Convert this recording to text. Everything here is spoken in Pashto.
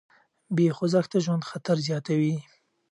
بې خوځښته ژوند خطر زیاتوي.